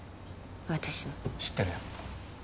私も知ってるよ